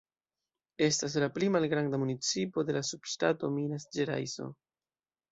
Estas la pli malgranda municipo de la subŝtato Minas-Ĝerajso.